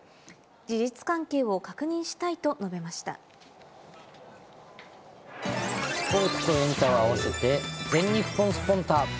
事実関係を確認したいと述べましスポーツとエンタを合わせて、全日本スポンタっ！